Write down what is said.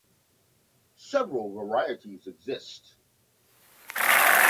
Several varieties exist.